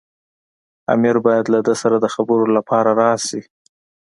امیر باید له ده سره د خبرو لپاره راشي.